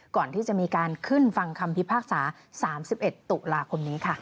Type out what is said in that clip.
ก่อนที่จะมีการขึ้นฟังคำพิพากษา๓๑ตุลาคมนี้ค่ะ